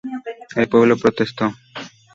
El pueblo protestó.